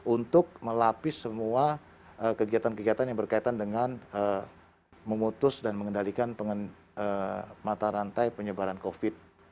untuk melapis semua kegiatan kegiatan yang berkaitan dengan memutus dan mengendalikan mata rantai penyebaran covid